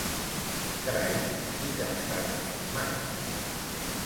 Carai, si que estan informats.